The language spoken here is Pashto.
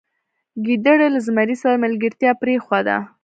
ګیدړې له زمري سره ملګرتیا پریښوده.